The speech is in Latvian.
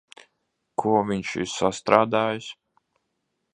Ko viņš ir sastrādājis?